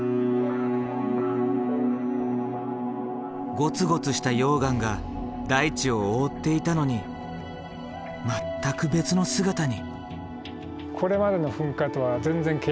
ゴツゴツした溶岩が大地を覆っていたのに全く別の姿に。